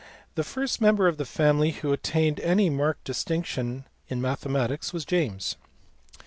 The first member of the family who attained any marked distinction in mathematics was James.